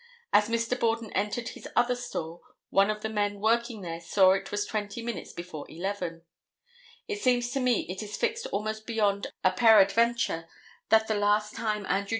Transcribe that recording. As Mr. Borden entered his other store, one of the men working there saw it was twenty minutes before 11. It seems to me it is fixed almost beyond a peradventure that the last time Andrew J.